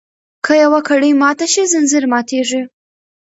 که یوه کړۍ ماته شي ځنځیر ماتیږي.